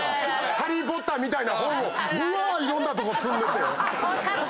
『ハリー・ポッター』みたいな本をぶわーっいろんなとこ積んでて。